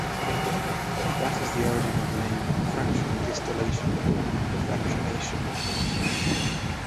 That is the origin of the name "fractional distillation" or "fractionation".